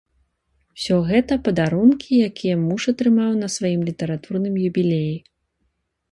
Усё гэта падарункі, якія муж атрымаў на сваім літаратурным юбілеі.